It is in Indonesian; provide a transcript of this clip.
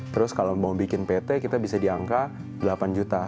terus kalau mau bikin pt kita bisa di angka delapan juta